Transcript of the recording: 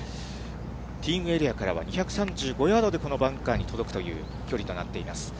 ティーイングエリアからは２３５ヤードでこのバンカーに届くという距離となっています。